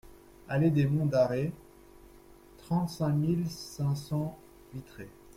Allée des Monts d'Arrée, trente-cinq mille cinq cents Vitré